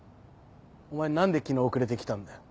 お前何で昨日遅れて来たんだよ。